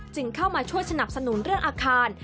เข้ามาช่วยสนับสนุนเรื่องอาคาร